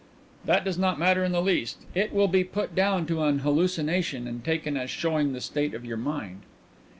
"That does not matter in the least. It will be put down to an hallucination and taken as showing the state of your mind."